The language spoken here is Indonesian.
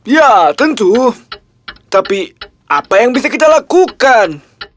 ya tentu tapi apa yang bisa kita lakukan